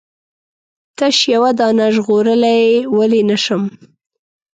تش یوه دانه ژغورلای ولې نه شم؟